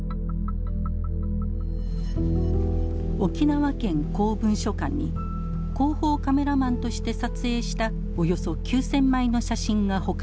沖縄県公文書館に広報カメラマンとして撮影したおよそ９，０００枚の写真が保管されています。